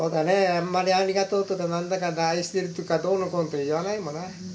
あんまりありがとうとか愛してるとかどうのこうの言わないもんな。